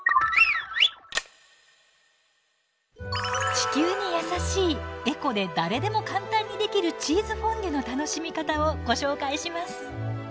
地球にやさしいエコで誰でも簡単にできるチーズフォンデュの楽しみ方をご紹介します。